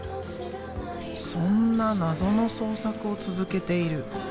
そんな謎の創作を続けている。